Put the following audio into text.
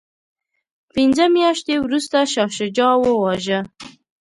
پنځه میاشتې وروسته شاه شجاع وواژه.